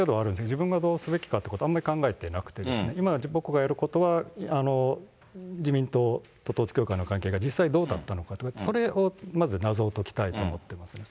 自分がどうすべきだとかはあんまり考えてなくてですね、今、僕がやることは、自民党と統一教会の関係が実際どうだったのか、それをまず謎を解きたいと思っていますね。